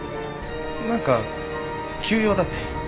何か急用だって。